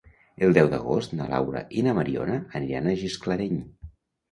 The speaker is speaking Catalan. El deu d'agost na Laura i na Mariona aniran a Gisclareny.